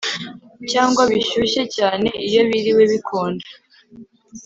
cyangwa bishyushye cyane Iyo biriwe bikonje